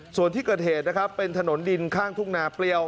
ส่วนที่เกิดเหตุนะครับเป็นถนนดินข้างทุ่งนาเปรี้ยว